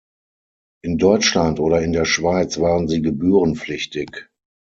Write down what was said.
In Deutschland oder in der Schweiz waren sie gebührenpflichtig.